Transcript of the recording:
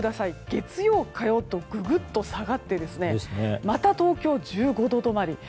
月曜、火曜とググッと下がってまた東京は１５度止まり。